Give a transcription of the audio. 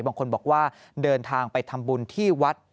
บางคนบอกว่าเดินทางไปทำบุญที่วัด